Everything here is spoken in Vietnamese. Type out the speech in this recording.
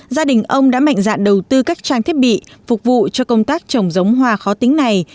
gia đình ông đã mạnh dạn đầu tư các trang thiết bị phục vụ cho công tác trồng giống hoa khó tính này